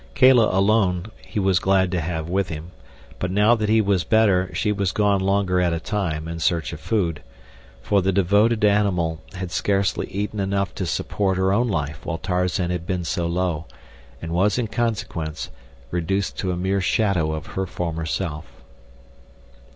Kala, alone, he was glad to have with him, but now that he was better she was gone longer at a time, in search of food; for the devoted animal had scarcely eaten enough to support her own life while Tarzan had been so low, and was in consequence, reduced to a mere shadow of her former self.